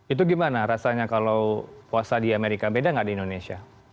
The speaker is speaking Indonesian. itu gimana rasanya kalau puasa di amerika beda nggak di indonesia